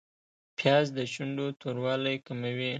پیاز د شونډو توروالی کموي